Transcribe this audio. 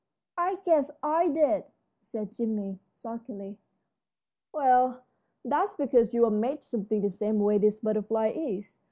"I guess I did," said Jim, sulkily. "Well, that's because you're made something the same way this butterfly is.